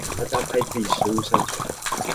大家拍自己食物上傳